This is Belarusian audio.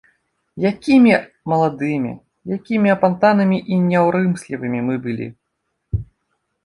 Якімі маладымі, якімі апантанымі і няўрымслівымі мы былі.